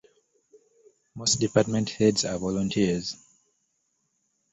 Most department heads are volunteers.